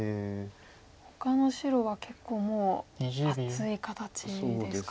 ほかの白は結構もう厚い形ですか。